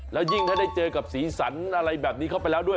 แล้วยิ่งถ้าได้เจอกับสีสันอะไรแบบนี้เข้าไปแล้วด้วย